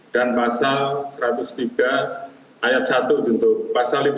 dan pasal satu ratus tiga ayat satu untuk pasal lima puluh dua